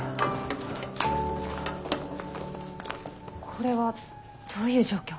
これはどういう状況？